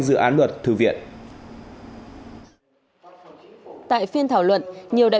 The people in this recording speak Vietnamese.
để tạo ra